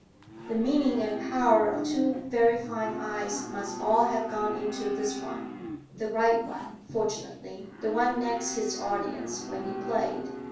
The meaning and power of two very fine eyes must all have gone into this one—the right one, fortunately, the one next his audience when he played.